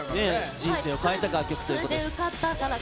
人生を変えた楽曲ということで。